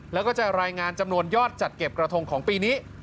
แล้วก็จะรายงานจำนวนยอดจัดเก็บกระทงของปีนี้